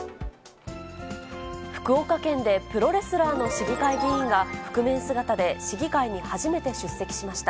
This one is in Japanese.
福岡県でプロレスラーの市議会議員が、覆面姿で市議会に初めて出席しました。